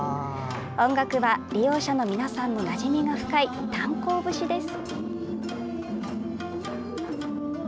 音楽は、利用者の皆さんのなじみが深い「炭坑節」です。